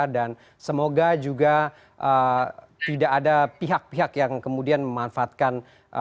dan semoga juga tidak ada pihak pihak yang kemudian memanfaatkan